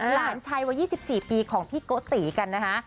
หลานชายวัย๒๔ปีของพี่โกติกันนะคะ